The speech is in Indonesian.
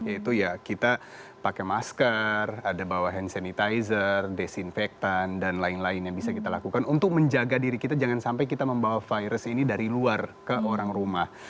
yaitu ya kita pakai masker ada bawa hand sanitizer desinfektan dan lain lain yang bisa kita lakukan untuk menjaga diri kita jangan sampai kita membawa virus ini dari luar ke orang rumah